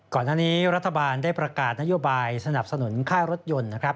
ก่อนอันนี้รัฐบาลได้ประกาศนโยบายสนับสนุนค่ารถยนต์